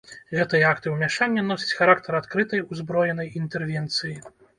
Гэтыя акты ўмяшання носяць характар адкрытай узброенай інтэрвенцыі.